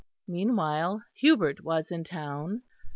Meanwhile Hubert was in town.